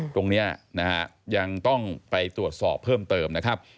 ตรงนี้ยังต้องไปตรวจสอบเพิ่มเติม